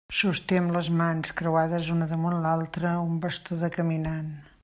Sosté amb les mans, creuades una damunt l'altra, un bastó de caminant.